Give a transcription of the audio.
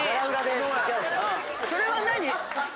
それは何。